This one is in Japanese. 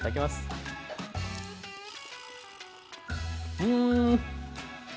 うん！